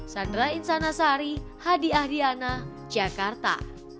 sandra insanasari hadi ahdiana jakarta